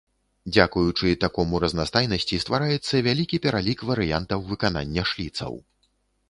Дзякуючы такому разнастайнасці ствараецца вялікі пералік варыянтаў выканання шліцаў.